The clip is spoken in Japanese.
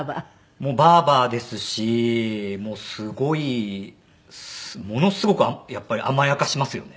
もうばあばですしもうすごいものすごくやっぱり甘やかしますよね。